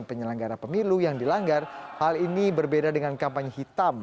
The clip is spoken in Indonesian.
penyelenggara pemilu yang dilanggar hal ini berbeda dengan kampanye hitam